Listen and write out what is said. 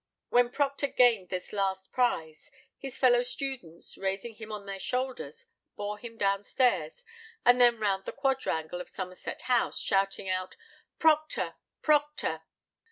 When Procter gained this last prize, his fellow students, raising him on their shoulders, bore him downstairs, and then round the quadrangle of Somerset House, shouting out, "Procter! Procter!"